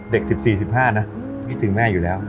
เด็กสิบสี่สิบห้าน่ะจริงจริงแม่อยู่แล้ว